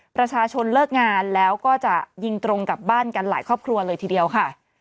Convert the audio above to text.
ประชาชนเลิกงานแล้วก็จะยิงตรงกับบ้านกันหลายครอบครัวเลยทีเดียวค่ะ